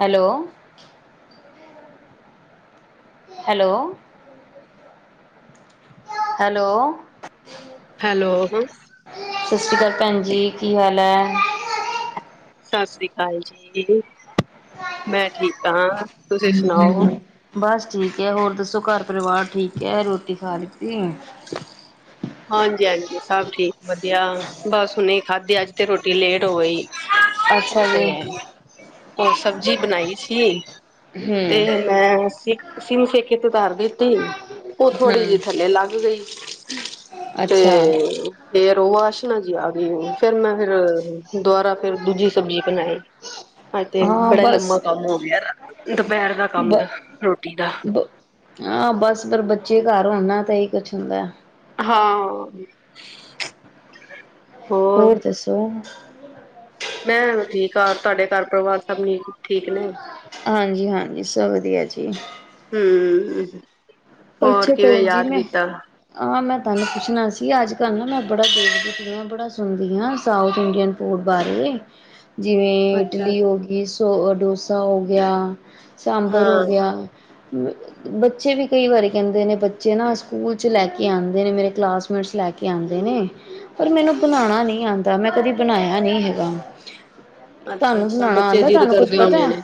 Hello. Hello. Hello. Hello, ਸਤਿ ਸ੍ਰੀ ਅਕਾਲ ਭੈਣ ਜੀ ਕੀ ਹਾਲ ਹੈ ਸਤਿ ਸ੍ਰੀ ਅਕਾਲ ਜੀ ਮੈਂ ਠੀਕ ਹਾਂ ਤੁਸੀਂ ਸੁਣਾਓ? ਹ ਬਸ ਠੀਕ ਹੈ ਹੋਰ ਦੱਸੋ ਘਰ ਪਰਿਵਾਰ ਠੀਕ ਹੈ ਰੋਟੀ ਖਾ ਲੀਤੀ ਹਾਂਜੀ ਹਾਂਜੀ ਸਭ ਠੀਕ ਵਧੀਆ ਬਸ ਉਹਨੇ ਖਾਧੀ ਅੱਜ ਤੇ ਰੋਟੀ ਲੇਟ ਹੋ ਗਈ ਅੱਛਾ ਜੀ [unintelligible] ਸਬਜ਼ੀ ਬਣਾਈ ਸੀ ਤੇ ਹਮ ਮੈਂ ਸਿੱਖ ਸਿਮ ਕੀਤੀ ਤੇ ਧਰ ਦਿੱਤੀ ਉਹ ਥੋੜ੍ਹੀ ਜਿਹੀ ਹਮ ਥੱਲੇ ਲੱਗ ਗਈ ਅੱਛਾ ਤੇ ਫਰ ਉਹ ਵਾਸ਼ਨਾ ਜੀ ਆ ਗਈ ਫੇਿਰ ਮੈਂ ਫਿਰ ਦੁਬਾਰਾ ਫੇਿਰ ਦੂਜੀ ਸਬਜ਼ੀ ਬਣਾਈ ਹ ਤੇ ਹਾਂ ਬੜਾ ਬਸ ਲੰਮਾ ਕੰਮ ਹੋ ਗਿਆ ਦੁਪਹਿਰ ਦਾ ਕੰਮ ਬ ਦਾ ਰੋਟੀ ਦਾ ਬ ਹਾਂ ਬਸ ਪਰ ਬੱਚੇ ਘਰ ਹੋਣ ਨਾ ਤਾਂ ਇਹੀ ਕੁੱਛ ਹੁੰਦਾ। ਹਾਂ, ਹੋਰ ਦੱਸੋ, ਮੈਂ ਠੀਕ ਆ ਤੁਹਾਡੇ ਘਰ ਪਰਿਵਾਰ ਸਭ ਨ ਠੀਕ ਨੇ। ਹਾਂਜੀ- ਹਾਂਜੀ ਸਭ ਵਧੀਆ ਜੀ। ਹੂੰ। ਹੋਰ ਅੱਛਾ ਕਿਵੇਂ ਭੈਣ ਜੀ, ਯਾਦ ਮੈਂ ਕੀਤਾ? ਹਾਂ ਮੈਂ ਤਹਾਨੂੰ ਪੁੱਛਣਾ ਸੀ ਅੱਜ-ਕੱਲ ਨਾ ਮੈ ਬੜਾ ਦੇਖਦੀ ਹਾਂ ਬੜਾ ਸੁਣਦੀ ਹਾਂ ਸਾਊਥ ਇੰਡੀਅਨ ਫੂਡ ਬਾਰੇ। ਜਿਵੇਂ ਅੱਛਾ। ਇਡਲੀ ਹੋ ਗਈ ਸੋ ਡੋਸਾ ਹੋ ਗਿਆ। ਸਾਂਬਰ ਹੋ ਹਾਂ। ਗਿਆ। ਬੱਚੇ ਵੀ ਕਈ ਵਾਰੀ ਕਹਿੰਦੇ ਨੇ ਬੱਚੇ ਨਾ ਸਕੂਲ ਚ ਲੈ ਕੇ ਆਂਦੇ ਨੇ ਮੇਰੇ ਕਲਾਸਮੇਟਸ ਲੈ ਕੇ ਆਂਦੇ ਨੇ। ਪਰ ਮੈਨੂੰ ਬਣਾਣਾ ਨਹੀਂ ਅੱਛਾ-ਅੱਛਾ। ਆਂਦਾ ਮੈਂ ਕਦੀ ਬਣਾਇਆ ਨਈ ਹੈਗਾ। ਤੁਹਾਨੂੰ ਅੱਛਾ-ਅੱਛਾ ਸੁਣਾਣਾ ਬੱਚੇ ਆਂਦਾ ਜਿੱਦ ਤੁਹਾਨੂੰ ਕੁਛ ਕਰਦੇ ਪਤਾ ਹੋਣੇ ਹੈ, ਨੇ।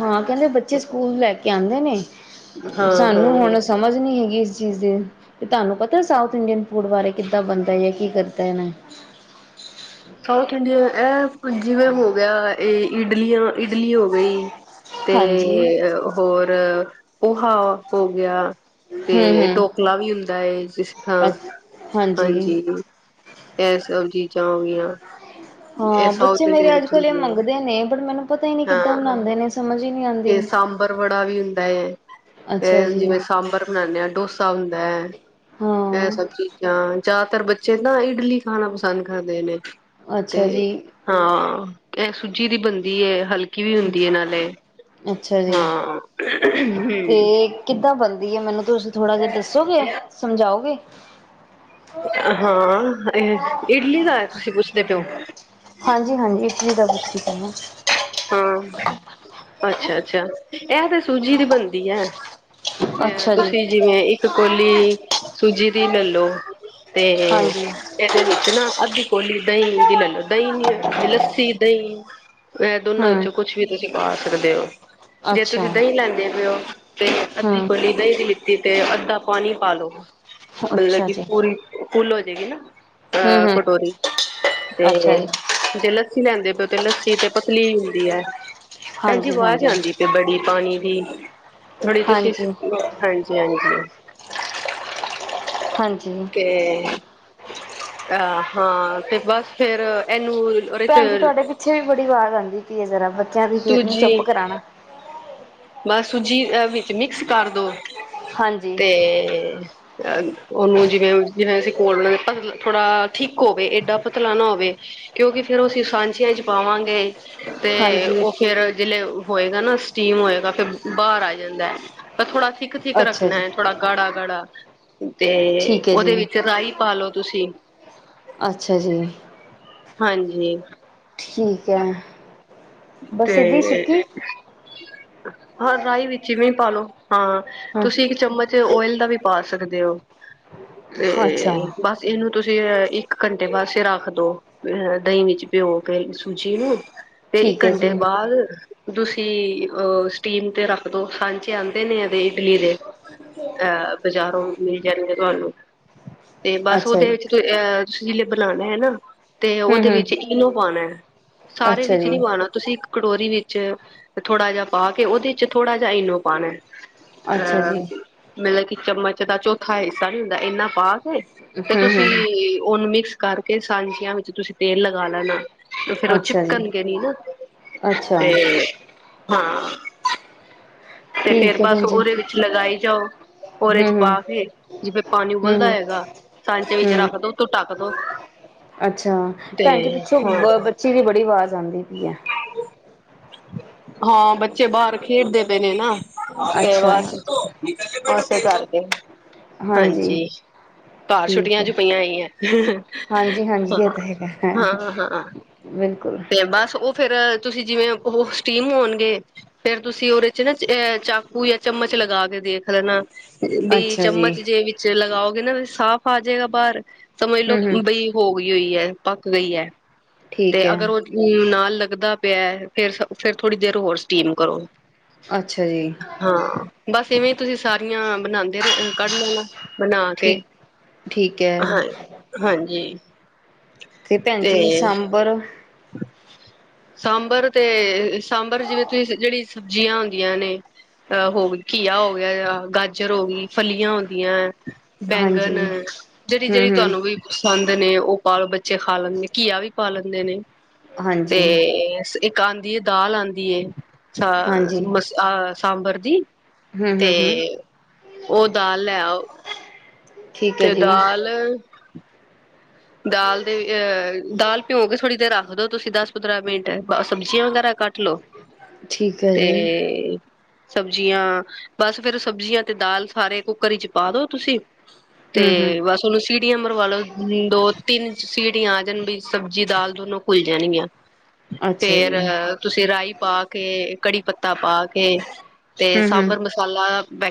ਹਾਂ ਕਹਿੰਦੇ ਬੱਚੇ ਸਕੂਲ ਲੈ ਕੇ ਕੀ ਆਂਦੇ ਨੇ ਹਾਂ, ਉਹਨੂੰ ਹੁਣ ਸਮਝ ਨੀ ਹੈਗੀ ਇਸ ਚੀਜ਼ ਦੀ ਤੇ ਤੁਹਾਨੂੰ ਪਤਾ ਸਾਊਥ ਇੰਡੀਅਨ ਫੂਡ ਬਾਰੇ ਕਿੱਦਾਂ ਬਣਦਾ ਜਾਂ ਕੀ ਕਰਦਾ ਇਹ ਸਊਥ ਇੰਡੀਆ ਅ ਜਿਵੇੰ ਹੋ ਗਿਆ ਇਹ ਇਡਲੀਆਂ, ਇਡਲੀ ਹੋ ਗਈ। ਤੇ ਹਾਂਜੀ ਹੋਰ ਉਹ ਹਾ ਹੋ ਗਿਆ। ਹਮ ਤੇ ਹਮ ਡੋਕਲਾ ਵੀ ਹੁੰਦਾ ਹੈ, ਜਿਸ ਅ ਤਰ੍ਹਾਂ ਹਾਂਜੀ ਇਹ ਸਬਜੀ ਆਂ ਹੋ ਗਈਆਂ। [unintelligible] ਹਾਂ ਬੱਚੇ ਸਾਊਥ ਇੰਡੀਆ ਮੇਰੇ ਵਿੱਚ ਅੱਜ-ਕੱਲ੍ਹ ਇਹ ਹੁੰਦੀਆਂ। ਮੰਗਦੇ ਨੇ, ਪਰ ਮੈਨੂੰ ਪਤਾ ਹੀ ਨੀ ਕਿੱਦਾਂ ਬਨਾਂਦੇ ਨੇ ਸਮਝ ਹੀ ਨਹੀਂ ਤੇ ਆਉਂਦੀ ਸਾਂਬਰ ਬੜਾ ਵੀ ਬੈ ਤੇ ਅੱਛਾ ਜੀ ਜਿਵੇਂ ਸਾਂਬਰ ਬਣਾਦੇ ਆਂ, ਡੋਸਾ ਸੌਦਾ ਹੈ। ਇਹ ਹਾਂ ਸਭ ਚੀਜ਼ਾਂ, ਜ਼ਿਆਦਾਤਰ ਬੱਚ ਚੇ ਤਾਂ ਇਡਲੀ ਖਾਣਾ ਪਸੰਦ ਕਰਦੇ ਨੇ। ਤੇ ਅੱਛਾ ਜੀ ਹਾਂ। ਇਹ ਸੂਜੀ ਦੀ ਬਣਦੀ ਹੈ ਹਲਕੀ ਵੀ ਹੁੰਦੀ ਏ ਨਾਲੇ। ਅੱਛਾ ਜੀ ਹਾਂ ਤੇ ਕਿੱਦਾਂ ਬਣ? ਮੈਨੂੰ ਤੁਸੀ ਥੋੜ੍ਹਾ ਜਿਹਾ ਦੱਸੋਗੇ ਸਮਝਾਓਗੇ [inaudible] ਹਾਂ ਇਹ ਇਡਲੀ ਦਾ, ਤੁਸੀਂ ਪੁੱਛਦੇ [unintelligible] ਹਾਂਜੀ ਹਾਂਜੀ। ਇਡਲੀ ਦਾ ਪੁੱਛਦੀ ਪਈ ਮੈ ਹਾਂ। ਅੱਛਾ ਅੱਛਾ। ਇਹ ਤੇ ਸੂਜੀ ਦੀ ਬਣਦੀ ਹੈ। ਤੇ ਅੱਛਾ ਜੀ ਤੁਸੀਂ ਜਿਵੇਂ, ਇੱਕ ਕੋਲੀ ਸੂਜੀ ਦੀ ਲੈ ਲੋ, ਤੇ ਇਹਦੇ ਵਿੱਚ ਨਾ ਅੱਧੀ ਕੌਲੀ ਦਹੀਂ ਦੀ ਲੈ ਹਾਂਜੀ ਲੋ, ਦਹੀਂ, ਲੱਸੀ- ਦਹੀਂ ਇਹ ਦੋਨਾਂ ਹਮ ਵਿੱਚੋਂ ਕੁੱਛ ਵੀ ਤੁਸੀਂ ਪਾ ਸਕਦੇ ਓ ਜੇ ਅੱਛਾ ਤੁਸੀਂ ਦਹੀਂ ਲੈਂਦੇ ਪਏ ਓ ਤੇ ਅੱਧੀ ਹਮ ਕੋਲੀ ਦਹੀਂ ਦੀ ਲਿੱਤੀ ਤੇ ਅੱਧਾ ਪਾਣੀ ਪਾਲੋ ਮਤਲਬ ਅੱਛਾ ਕਿ ਜੀ ਪੂਰੀ ਫੂੱਲ ਹੋ ਜਾਏਗੀ ਨਾ ਹਮ ਆ ਹਮ ਕਟੋਰੀ ਤੇ ਅੱਛਾ ਜੀ ਜੇ ਲੱਸੀ ਲੈਂਦੇ ਪਏ ਤੇ ਲੱਸੀ ਤੇ ਪ ਤਲੀ ਹੁੰਦੀ ਐ ਹਾਂਜੀ ਵਾਜ ਆਂਦੀ ਪਈ ਬੜੀ ਪਾਣੀ ਦੀ ਥੋੜੀ ਤੁਸੀਂ ਹਾਂਜੀ ਹਾਂਜੀ-ਹਾਂਜੀ ਹਾਂਜੀ ਤੇ ਆਹ ਹਾਂ ਤੇ ਬਸ ਫੇਰ ਐ ਭੈਣ ਜੀ ਤੁਹਾਡੇ ਪਿੱਛੇ ਵੀ ਬੜੀ ਆਵਾਜ ਆਉਂਦੀ ਦੀ ਜ਼ਰਾ ਬੱਚਿਆਂ ਦੀ ਤੇ ਚੁੱਪ ਕਰਾਉਣਾ ਮਸੂਜੀ ਵਿੱਚ ਮਿਕਸ ਕਰ ਦੋ ਹਾਂਜੀ ਤੇ ਅ ਉਹਨੂੰ ਜਿਵੇਂ ਜਿਵੇਂ ਅਸੀਂ ਕੋਲ ਪਤਲਾ ਥੋੜਾ ਠੀਕ ਹੋਵੇ ਏਡਾ ਪਤਲਾ ਨਾ ਹੋਵੇ ਕਿਉਂਕਿ ਫੇਰ ਅਸੀਂ ਸਾਂਝੀਆਂ ਚ ਪਾਵਾਂਗੇ ਤੇ ਹਾਂਜੀ ਉਹ ਫੇਰ ਜਿਲੇ ਹੋਏਗਾ ਨਾ ਸਟੀਮ ਹੋਏਗਾ। ਬਾਹਰ ਆ ਜਾਂਦਾ ਤਾਂ ਥੋੜਾ ਥਿਕ-ਥਿਕ ਅੱਛਾ ਜੀ ਰੱਖਣਾ ਥੋੜਾ ਗਾੜਾ-ਗਾੜਾ ਤੇ ਠੀਕ ਹੈ ਉਹਦੇ ਜੀ ਵਿੱਚ ਰਾਈ ਪਾਲੋ ਤੁਸੀਂ ਅੱਛਾ ਜੀ ਹਾਂਜੀ। ਠੀਕ ਐ ਬਸ ਦੀ ਏਦੀ ਤੇ ਸੁੱਕੀ ਹਾਂ ਰਹੀ ਵਿੱਚ ਵੀ ਪਾ ਲਓ ਹਾਂ ਹਾਂ ਤੁਸੀਂ ਇੱਕ ਚਮਚ ਓਇਲ ਦਾ ਵੀ ਪਾ ਸਕਦੇ ਓ ਤੇ ਅੱਛਾ ਬਸ ਇਹਨੂੰ ਤੁਸੀਂ ਇੱਕ ਘੰਟੇ ਪਾਸੇ ਰੱਖ ਦੋ ਅ ਦਹੀਂ ਵਿੱਚ ਭਿਓ ਕੇ ਸੂਜੀ ਨੂੰ ਤੇ ਠੀਕ ਇੱਕ ਹੈ ਜੀ ਘੰਟੇ ਬਾਅਦ ਤੁਸੀ ਸੀ ਸਟੀਮ ਤੇ ਰੱਖਦੋ ਸਾਂਚੇ ਆਉਂਦੇ ਨੇ ਇਡਲੀ ਦੇ ਅਹ ਬਜ਼ਾਰੋਂ ਮਿਲ ਜਾਣਗੇ ਤੁਹਾਨੂੰ ਤੇ ਬਸ ਅੱਛਾ ਉਹਦੇ ਜੀ ਵਿੱਚ ਅਹ ਤੁਸੀਂ [unintelligible] ਬਣਾਉਣੇ ਹੈ ਨਾ। ਤੇ ਹਮ ਉਹਦੇ ਹਮ ਵਿੱਚ ਇਨੋ ਪਾਉਣਾ ਹੈ ਸਾਰੇ ਅੱਛਾ ਵਿੱਚ ਚ ਜੀ ਨੀ ਪਾਉਣਾ ਤੁਸੀ ਕਟੋਰੀ ਵਿੱਚ ਥੋੜਾ ਜਹਾ ਪਾ ਕੇ ਉਹਦੇ ਚ ਥੋੜਾ ਜਹਾ ਇਨੋ ਪਾਉਣਾ। ਅੱਛਾ ਜੀ ਅਹ ਮਤਲਬ ਕਿ ਚਮਚ ਜਿੱਦਾਂ ਚੌਥਾ ਹਿੱਸਾ ਨਹੀਂ ਹੁੰਦਾ ਇੰਨਾ ਪਾ ਤੇ ਹਮ ਤੁਸੀਂ ਹਮ ਉਹਨੂੰ ਮਿਕਸ ਕਰਕੇ ਸਾਂਚੀਆਂ ਵਿੱਚ ਤੁਸੀਂ ਤੇਲ ਲਗਾ ਲੈਣਾ। ਤੇ ਫੇਰ ਉਹ ਅੱਛਾ ਜੀ ਚਿਪਕਣ ਨੀ ਨਾ ਅੱਛਾ ਤੇ ਹਾਂ। ਤੇ ਫੇਰ ਠੀਕ ਹੈ ਬਸ ਭੈਣ ਜੀ ਉਹਦੇ ਵਿੱਚ ਲਗਾਈ ਜਾਓ ਓਰੇ ਚ ਹੂੰ-ਹੂੰ, ਪਾ ਕੇ ਜਿਵੇ ਪਾਣੀ ਉਬਲਦਾ ਹੂੰ-ਹੂੰ, ਹੈਗਾ ਸਾਂਚੇ ਵਿੱਚ ਹੂੰ ਰੱਖ ਦੋ ਉਤੋ ਟੱਕ ਦੋ ਅੱਛਾ ਤੇ ਭੈਣ ਜੀ ਪਿੱਛੋਂ ਹਾਂ। ਬ ਬੱਚੀ ਦੀ ਬੜੀ ਆਵਾਜ਼ ਆਂਦੀ ਪਈ ਐ। ਹਾਂ ਬੱਚੇ ਬਾਹਰ ਖੇਡਦੇ ਪਏ ਨੇ ਨਾ। ਤੇ ਅੱਛਾ ਬਸ ਬ ਤੇ ਧਰ ਦੇ। ਹਾਂਜੀ ਘਰ ਠੀਕ ਛੁੱਟੀਆਂ ਐ। ਜੂ ਪਈਆਂ ਹੋਈਆਂ ਹੈ ਹਾਂਜੀ-ਹਾਂਜੀ ਇਹ ਹ ਤਾਂ ਹੈਗਾ ਹਾਂ ਹਾਂ। ਬਿਲਕੁਲ ਤੇ ਬਸ ਉਹ ਫੇਰ ਤੁਸੀ ਜਿਵੇਂ ਉਹ ਸਟੀਮ ਹੋਣਗੇ ਫੇਰ ਤੁਸੀ ਉਹਦੇ ਚ ਨਾ ਅਹ ਚਾਕੂ ਜਾਂ ਚਮਚ ਲਗਾ ਕੇ ਦੇਖ ਲੈਣਾ। ਬੀ ਅੱਛਾ ਜੀ ਚਮਚ ਜੇ ਵਿੱਚ ਲਗਾਓਗੇ ਨਾ। ਸਾਫ਼ ਆ ਜਾਏਗਾ ਬਾਹਰ। ਸਮਝ ਹੂੰ-ਹੂੰ ਲੋਓ ਬਈ ਹੋ ਗਈ ਹੋਈ ਹੈ। ਪੱਕ ਗਈ ਹੈ। ਠੀਕ ਹੈ। ਹਮ ਨਾਲ ਲੱਗਦਾ ਪਿਆ ਐ ਫੇਰ ਫੇਰ ਥੋੜੀ ਦੇਰ ਹੋਰ ਸਟੀਮ ਕਰੋ। ਅੱਛਾ ਜੀ। ਹਾਂ ਬਸ ਇਵੇਂ ਤੁਸੀਂ ਸਾਰੀਆਂ ਬਣਾਉਂਦੇ ਰ ਕੱਢ ਲੈਣਾ। ਬਣਾ ਕੇ ਠੀਕ ਠੀਕ ਐ ਹਾਂ ਹਾਂਜੀ। ਤੇ ਭੈਣਜੀ ਸਾਂਬਰ ਸਾਂਬਰ ਤੇ ਸਾਂਬਰ ਜਿਵੇਂ ਤੁਸੀਂ ਜਿਹੜੀ ਸਬਜ਼ੀਆਂ ਹੁੰਦੀਆਂ ਨੇ ਅਹ ਹੋ ਘੀਆ ਹੋ ਗਿਆ ਗਾਜਰ ਹੋ ਗਈ ਫਲੀਆਂ ਹੁੰਦੀਆਂ। ਬੈਂਗਨ ਹਾਂਜੀ ਜਿਹੜੀ ਜਿਹੜੀ ਹੂੰ-ਹੂੰ ਤੁਹਾਨੂੰ ਵੀ ਪਸੰਦ ਨੇ ਉਹ ਪਾ ਲੋ ਬੱਚੇ ਖਾ ਲੈਂਦੇ ਨੇ ਘੀਆ ਵੀ ਪਾ ਲੈਂਦੇ ਨੇ। ਤੇ ਹਾਂਜੀ-ਹਾਂਜੀ ਇਕਾਂਤ ਦੀ ਦਾਲ ਆਂਦੀ ਏ। ਮਸਹ ਸਾਂਬਰ ਦੀ ਤੇ ਹੂੰ-ਹੂੰ-ਹੂੰ ਉਹ ਦਾਲ ਲੇ ਆਓ ਠੀਕ ਐ ਤੇ ਜੀ ਦਾਲ ਦਾਲ ਦੇ ਅਹ ਦਾਲ ਭਿਉ ਕੇ ਥੋੜ੍ਹੀ ਦੇਰ ਰੱਖਦੋ ਤੁਸੀਂ ਦਸ ਪੰਦਰਾਂ ਮਿੰਟ ਸਬਜ਼ੀਆਂ ਵਗੈਰਾ ਕੱਟ ਲੋਓ ਠੀਕ ਐ ਤੇ ਜੀ ਸਬਜ਼ੀਆਂ ਬਸ ਫੇਰ ਸਬਜ਼ੀਆਂ ਤੇ ਦਾਲ ਸਾਰੇ ਕੁੱਕਰ ਵਿੱਚ ਪਾ ਦੋ ਤੁਸੀਂ ਤੇ ਹੂੰ-ਹੂੰ ਬਸ ਉਹਨੂੰ ਸੀਟੀਆਂ ਮਰਵਾ ਲੋ ਹ ਦੋ ਤਿੰਨ ਸੀਟੀਆਂ ਆ ਜਾਣ ਬਈ ਸਬਜ਼ੀ ਦਾਲ ਦੋਨੋ ਘੁੱਲ ਜਾਣੀਆਂ ਅੱਛਾ ਫੇਰ ਜੀ ਤੁਸੀਂ ਰਾਈ ਪਾ ਕੇ ਕੜੀ ਪੱਤਾ ਪਾ ਕੇ ਤੇ ਸਾਂਬਰ ਹੂੰ-ਹੂੰ ਮਸਾਲਾ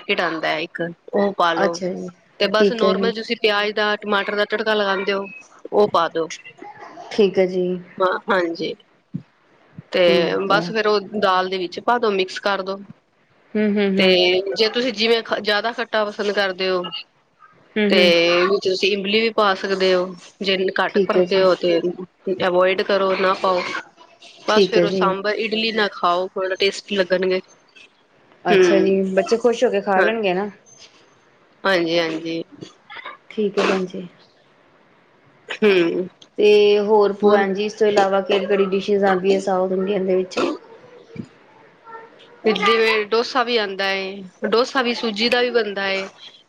ਖਿਡਾਂਦਾ ਹੈ ਇੱਕ ਉਹ ਪਾਲੋ ਅੱਛਾ ਜੀ ਤੇ ਬਸ ਠੀਕ ਹੈ ਜੀ ਨੋਰਮਲ ਤੁਸੀਂ ਪਿਆਜ ਦਾ ਟਮਾਟਰ ਦਾ ਤੜਕਾ ਲਗਾਂਦੇ ਹੋ ਉਹ ਪਾ ਦੋ ਠੀਕ ਹੈ ਜੀ ਹਾਂ ਹਾਂਜੀ ਤੇ ਠੀਕ ਆ ਬਸ ਫੇਰ ਉਹ ਦਾਲ ਦੇ ਵਿੱਚ ਵਿੱਚ ਪਾ ਦੋ ਮਿਕਸ ਕਰ ਦੋ ਹੂੰ ਹੂੰ ਤੇ ਹੂੰ ਜੇ ਤੁਸੀਂ ਜਿਵੇਂ ਖ ਜ਼ਿਆਦਾ ਖੱਟਾ ਪਸੰਦ ਕਰਦੇ ਹੋ ਹੂੰ ਤੇ ਹੂੰ ਵੀ ਤੁਸੀਂ ਇਮਲੀ ਵੀ ਪਾ ਸਕਦੇ ਹੋ ਜਿੰਨ ਘੱਟ ਠੀਕ ਹੈ ਭਰਦੇ ਜੀ ਹੋ ਤੇ ਅਵੋਇਡ ਕਰੋ ਨਾ ਪਾਓ ਬਸ ਠੀਕ ਹੈ ਫੇਰ ਉਹ ਜੀ ਸਾਂਬਰ ਇਡਲੀ ਨਾਲ ਖਾਓ ਬੜਾ ਟੇਸਟੀ ਲੱਗਣਗੇ ਅੱਛਾ ਜੀ ਹਮ ਬੱਚੇ ਖੁਸ਼ ਹੋ ਕੇ ਖਾ ਹਾਂ ਲੈਣਗੇ ਨਾ ਹਾਂਜੀ ਹਾਂਜੀ ਠੀਕ ਹੈ ਭੈਣ ਜੀ ਹਮ ਤੇ ਹੋੋਰ ਹਮ ਭੂਆ ਜੀ ਇਸ ਤੋਂ ਇਲਾਵਾ ਕਿਹੜੀ ਕਿਹੜੀ ਡਿਸ਼ਜ਼ ਆਉਂਦੀ ਹੈ ਸਾਊਥ ਇੰਡੀਅਨ ਦੇ ਵਿੱਚ ਚ [unintelligible] ਡੋਸਾ ਵੀ ਆਉਂਦਾ ਹੈ ਡੋਸਾ ਵੀ ਸੂਜੀ ਦਾ ਵੀ ਬਨਦਾ ਹੈ।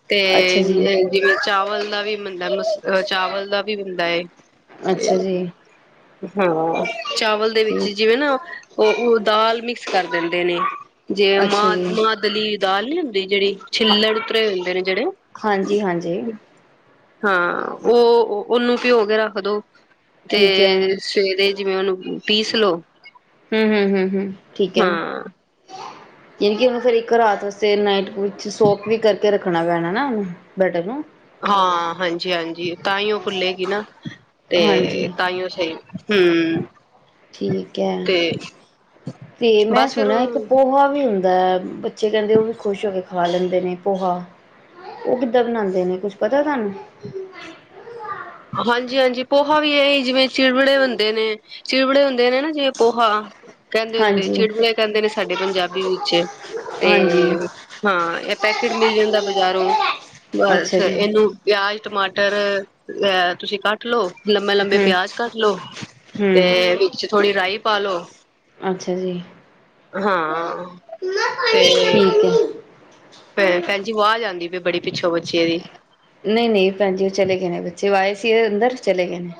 ਤੇ ਅੱਛਾ ਇੰਜ ਜੀ ਇੰਜ ਜਿਵੇਂ ਚਾਵਲ ਦਾ ਵੀ ਮਨਦਾ ਹੈ ਮਸ ਅਹ ਚਾਵਲ ਦਾ ਵੀ ਬਣਦਾ ਏ। ਅੱਛਾ ਜੀ। ਅ ਹਾਂ ਚਾਵਲ ਦੇ ਵਿੱਚ ਠੀਕ ਜਿਵੇਂ ਨਾ ਉਹ ਉਹ ਦਾਲ ਮਿਕਸ ਕਰ ਦਿੰਦੇ ਨੇਂ ਜੇ ਅੱਛਾ ਜੀ ਮਾਂਹ ਮਾਂਹ ਦਲੀ ਦਾਲ ਨੀ ਹੁੰਦੀ ਜਿਹੜੀ ਹਾਂ ਛਿੱਲੜ ਉਤਰੇ ਹੋਏ ਹੁੰਦੇ ਨੇ ਜਿਹੜੇ। ਹਾਂਜੀ ਹਾਂਜੀ ਹਾਂ ਉਹ ਓ ਉਹਨੂੰ ਭਿਜੋ ਕੇ ਰੱਖਦੋ। ਠੀਕ ਹੈ ਤੇ ਸਵੇਰੇ ਜਿਵੇਂ ਉਹਨੂੰ ਉਮ ਪੀਸ ਲਓ ਹਮ-ਹਮ-ਹਮ-ਹਮ ਹਾਂ ਯਾਨੀ ਕਿ ਉਹਨੂੰ ਫੇਰ ਇੱਕ ਰਾਤ ਵਾਸਤੇ ਨਾਈਟ ਵਿੱਚ ਸੋਕ ਵੀ ਕਰਕੇ ਰੱਖਣਾ ਪੈਣਾ ਨਾ ਓਹਨੂੰ ਬੈਟਰ ਨੂੰ। ਹਾਂ ਹਾਂਜੀ-ਹਾਂਜੀ ਤਾਂ ਹੀ ਉਹ ਫੁੱਲੇਗੀ ਨਾ ਤੇ ਹਾਂਜੀ ਤਾਂ ਹੀ ਉਹ ਸਹੀ ਹਮ ਠੀਕ ਹੈ ਤੇ ਤੇ ਮੈਂ ਬਸ ਸੁਣਿਆ ਇੱਕ ਫੇਰ ਪੋਹਾ ਵੀ ਹੁੰ ਦਾ ਹੈ ਬੱਚੇ ਕਹਿੰਦੇ ਓਹ ਵੀ ਖੁਸ਼ ਹੋ ਕੇ ਖਾ ਖਾ ਲੈਂਦੇ ਨੇ ਪੋਹਾ ਉਹ ਕਿੱਦਾਂ ਬਨਾਉਂਦੇ ਨੇ ਕੁਛ ਪਤਾ ਹੈ ਤੁਹਾਨੂੰ। ਹਾਂਜ ਜੀ ਹਾਂਜੀ ਪੋਹਾ ਵੀ ਇਹੀ ਏ ਜਿਵੇਂ ਚਿੜਵੈ ਬਨਦੇ ਨੇਂ। ਚਿਵੜੇ ਹੁੰਦੇ ਨੇਂ ਨਾ ਜਿਵੇਂ ਪੋਹਾ। ਕਹਿੰਦੇ ਹੁੰਦੇ ਹਾਂਜੀ ਚਿੜਬੜੇ ਕਹਿੰਦੇ ਨੇ ਸਾਡੇ ਪੰਜਾਬੀ ਵਿੱਚ ਤੇ ਹਾਂਜੀ ਹਾਂ ਇਹ ਪੈਕੇਟ ਮਿਲ ਜਾਂਦਾ ਬਜਾਰੋਂ ਬਸ ਅੱਛਾ ਜੀ ਇਹਨੂੰ ਪਿਆਜ ਟਮਾਟਰ ਇਹ ਤੁਸੀ ਕੱਟ ਲਓ। ਲੰਬੇ ਲੰਬੇ ਹਮ ਪਿਆਜ ਕੱਟ ਲਓ ਤੇ ਹਮ ਵਿੱਚ ਥੋੜ੍ਹੀ ਰਾਈ ਪਾ ਲੋ ਅੱਛਾ ਜੀ ਹਾਂ ਤੇ ਠੀਕ ਹੈ ਭੈ ਭੈਣ ਜੀ ਆਵਾਜ ਆਂਦੀ ਪ ਵੇ ਬੜੀ ਪਿੱਛੋ ਬੱਚਿਆਂ ਦੀ ਨਹੀਂ-ਨਹੀਂ ਭੈਣ ਜੀ ਉਹ ਚਲੇ ਗਏ ਨੇ ਬੱਚੇ ਓਹ ਆਏ ਸੀ [inaudible] ਅੰਦਰ ਚਲੇ ਗਏ ਨੇਂ।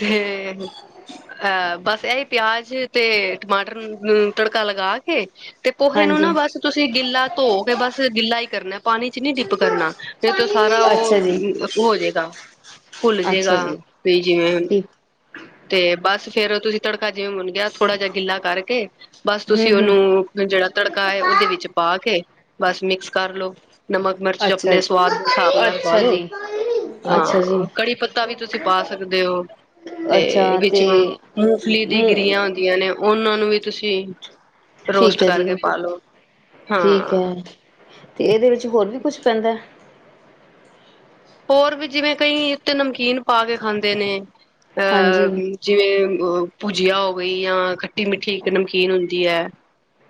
ਤੇ ਹ ਅਹ ਬਸ ਏਹੀ ਪਿਆਜ ਤੇ ਟਮਾਟਰ ਨ ਨੂੰ ਤੜਕਾ ਲਗਾ ਕੇ ਤੇ ਪੋਹੇ ਨੂੰ ਹਾਂਜੀ ਨਾ ਬਸ ਤੁਸੀ ਗਿੱਲਾ ਧੋ ਬਸ ਗਿੱਲਾ ਹੀ ਕਰਨਾ ਆ ਪਾਣੀ ਚ ਨੀ ਡਿੱਪ ਕਰਨਾ, ਫੇਰ ਤੇ ਸਾਰਾ ਅੱਛਾ ਜੀ ਉਹ ਹੋ ਜਾਏਗਾ, ਘੁਲ ਅੱਛਾ ਜੇਗਾ ਜੀ ਵੀ ਜਿਵੇਂ ਠੀਕ ਤੇ ਬਸ ਫੇਰ ਤੁਸੀਂ ਤੜਕਾ ਜਿਵੇਂ ਭੂਨ ਗਿਆ ਥੋੜਾ ਜਿਹਾ ਗਿੱਲਾ ਕਰਕੇ ਬਸ ਹਮ ਤੁਸੀਂ ਉਹਨੂੰ ਜਿਹੜਾ ਤੜਕਾ ਹੈ, ਉਹਦੇ ਹਮ ਵਿੱਚ ਪਾ ਕੇ ਬਸ ਮਿਕਸ ਕਰਲੋ। ਨਮਕ ਮਿਰਚ ਅੱਛਾ ਆਪਣੇ ਸਵਾਦ ਦੇ ਹਿਸਾਬ ਨਾਲ ਪਾ ਅੱਛਾ ਲੋ, ਜੀ ਅੱਛਾ ਜੀ ਹਾਂ ਕੜੀ ਪੱਤਾ ਵੀ ਤੁਸੀਂ ਪਾ ਸਕਦੇ ਹੋ ਤੇ ਵਿੱਚ ਮੂੰਗਫਲੀ ਦੀ ਗਿਰਿਆ ਮ ਹੁੰਦੀਆਂ ਨੇ ਉਹਨਾਂ ਨੂੰ ਵੀ ਤੁਸੀਂ ਠੀਕ ਰੋਸਟ ਹੈ ਜੀ, ਕਰਕੇ ਪਾ ਲੋ ਠੀਕ ਹਾਂ ਹੈ ਤੇ ਇਹਦੇ ਵਿੱਚ ਹੋਰ ਵੀ ਕੁਛ ਪੈਂਦਾ ਹੋਰ ਵੀ ਜਿਵੇਂ ਕਈ ਉਤੇ ਨਮਕੀਨ ਪਾ ਕੇ ਖਾਂਦੇ ਨੇ ਹਾਂਜੀ ਅਹ ਜਿਵੇਂ ਭੁਜੀਆ ਹੋ ਗਈ ਜਾਂ ਖੱਟੀ ਮਿੱਠੀ ਇੱਕ ਨਮਕੀਨ ਹੁੰਦੀ ਹੈ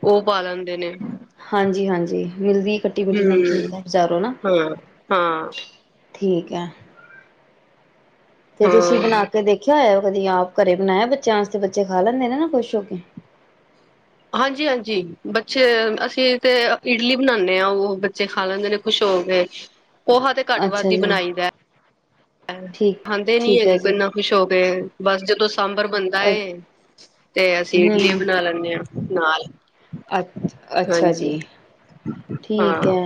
ਉਹ ਪਾ ਲੈਣ ਹਾਂਜੀ- ਹਾਂਜੀ ਮਿਲਦੀ ਖੱਟੀ ਮਿੱਠੀ ਨਮਕੀਨ ਹਮ ਤਾਂ ਬਜ਼ਾਰੋ ਨਾ ਹਾਂ ਹਾਂ ਠੀਕ ਹੈ, ਤੇ ਤੁਸੀਂ ਹਾਂ ਬਣਾ ਕੇ ਦੇਖਿਆ ਹੋਇਆ। ਵਧੀਆ ਆਪ ਘਰੇ ਬਣਾਇਆ ਬੱਚਿਆਂ ਆਸਤੇ, ਬੱਚੇ ਖਾ ਲੈਂਦੇ ਨੇ ਨਾ ਖੁਸ਼ ਹੋ ਕੇ ਹਾਂਜੀ -ਹਾਂਜੀ ਬੱਚੇ ਅਸੀਂ ਤੇ ਇਡਲੀ ਬਣਾਂਦੇ ਆਂ ਉਹ ਬੱਚੇ ਖਾ ਲੈਂਦੇ ਨੇ ਖੁਸ਼ ਹੋ ਕੇ, ਪੋਹਾ ਤੇ ਘੱਟ ਵੱਧ ਅੱਛਾ ਹੀ ਜੀ ਬਣਾਈ ਦਾ ਠੀਕ ਖਾਂਦੇ ਨੀ ਠੀਕ ਹੈ ਹੈਗੇ [unintelligible] ਜੀ ਇੰਨਾ ਖੁਸ਼ ਹੋ ਕੇ [unintelligible] ਸਾਂਬਰ ਬਣਦਾ ਹਮ ਏ ਤੇ ਅਸੀਂ ਇਡਲੀ ਹਮ ਬਣਾ ਲੈਣੇ ਆ [unintelligible] [unintelligible] ਅੱਛਾ ਜੀ ਹਾਂਜੀ ਹਾਂ। ਠੀਕ ਹੈ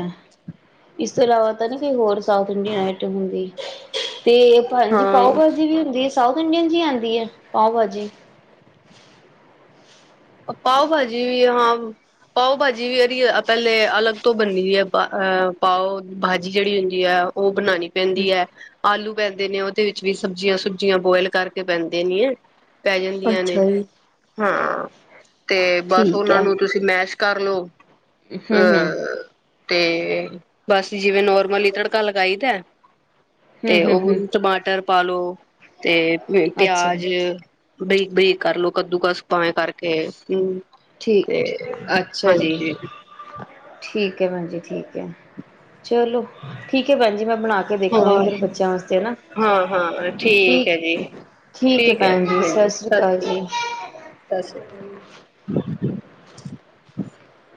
ਇਸ ਤੋਂ ਇਲਾਵਾ ਤਾਂ ਨੀ ਕੋਈ ਹੋਰ [unintelligible] ਤੇ [unintelligible] ਪਾਓ ਹਾਂ। ਭਾਜੀ ਵੀ ਹੁੰਦੀ ਏ ਸਾਊਥ ਇੰਡੀਅਨ ਚ ਆਂਦੀ ਹੈ, ਪਾਓ ਭਾਜੀ ਪਾਓ ਭਾਜੀ ਵੀ ਹਾਂ ਪਾਓ ਭਾਜੀ ਵੀ ਇਹਦੀ ਪਹਿਲੇ ਅਲੱਗ ਤੋਂ ਬਣਦੀ ਹੈ, ਅਹ ਪਾਓ ਭਾਜੀ ਜਿਹੜੀ ਹੁੰਦੀ ਹੈ ਉਹ ਬਨਾਨੀ ਪੈਂਦੀ ਹੈ, ਆਲੂ ਪੈਂਦੇ ਨੇ ਉਹਦੇ ਵਿੱਚ ਵੀ ਸਬਜ਼ੀਆਂ ਸੁਬਜੀਆਂ ਬੋਇਲ ਕਰਕੇ ਪੈਂਦੇ ਨੇ ਪੈ ਜਾਂਦੀਆਂ ਨੇ, ਅੱਛਾ ਜੀ ਹਾਂ ਤੇ ਬਸ ਠੀਕ ਉਹਨਾਂ ਹੈ ਨੂੰ ਤੁਸੀਂ ਮੈਸ਼ ਕਰ ਲਉ। [unintelligible] ਤੇ ਬਸ ਜਿਵੇਂ ਨੋਰਮਲੀ ਤੜਕਾ ਲਗਾਈ ਦਾ ਹਮ ਤੇ ਹਮ ਉਹ ਹਮ ਟਮਾਟਰ [unintelligible] [unintelligible] ਅੱਛਾ ਬਰੀਕ ਬਰੀਕ ਕਰਲੋ ਕੱਦੂਕਸ ਭਾਵੇ ਕਰ [unintelligible] ਠੀਕ, ਅੱਛਾ ਜੀ, ਠੀਕ। [unintelligible] ਬਣਾ ਕੇ ਵੇਖਾਂਗੇ ਹੋਰ ਫਿਰ ਬੱਚਿਆਂ ਆਸਤੇ ਨਾ ਹਾਂ ਹਾਂ ਠੀਕ ਹੈ ਜੀ ਠੀਕ ਹੈ, ਭੈਣ ਜੀ ਸਤਿ ਸ੍ਰੀ ਅਕਾਲ ਜੀ ਸਤਿ ਸ਼੍ਰੀ ਅਕਾਲ [unintelligible]